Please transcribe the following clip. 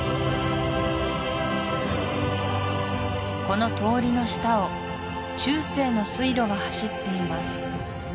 この通りの下を中世の水路が走っています